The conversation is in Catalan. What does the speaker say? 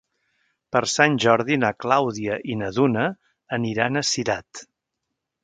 Per Sant Jordi na Clàudia i na Duna aniran a Cirat.